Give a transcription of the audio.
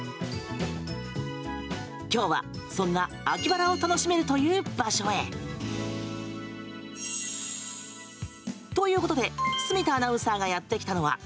今日はそんな秋バラを楽しめるという場所へ。ということで住田アナウンサーがやってきたのは。